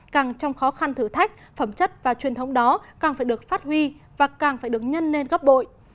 càng trong khó khăn thử thách phẩm chất và truyền thống đó càng phải được phát huy và càng phải được nhân nên góp bội